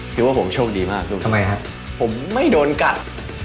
คิดว่าผมโชคดีมากครับคุณครับผมไม่โดนกัดทำไมครับ